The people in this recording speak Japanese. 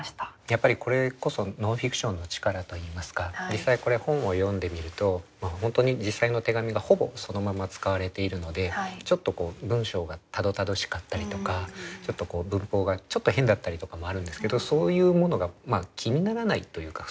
やっぱりこれこそノンフィクションの力といいますか実際これは本を読んでみると本当に実際の手紙がほぼそのまま使われているのでちょっとこう文章がたどたどしかったりとか文法がちょっと変だったりとかもあるんですけどそういうものが気にならないというか。